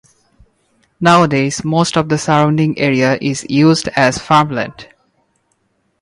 Nowadays most of the surrounding area is used as farmland.